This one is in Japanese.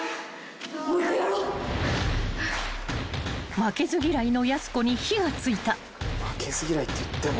［負けず嫌いのやす子に火が付いた］